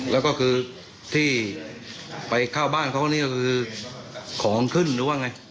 แล้วก็คือที่ไปเข้าบ้านเขานี่ก็คือของขึ้นหรือว่าไง